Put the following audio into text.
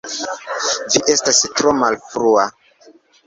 Vi estas tro malfrua